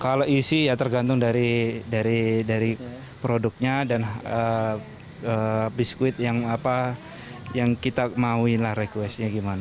kalau isi ya tergantung dari produknya dan biskuit yang kita mauin lah requestnya gimana